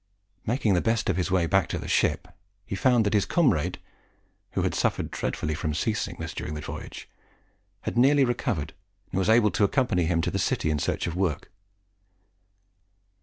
Making the best of his way back to the ship, he found that his comrade, who had suffered dreadfully from sea sickness during the voyage, had nearly recovered, and was able to accompany him into the City in search of work.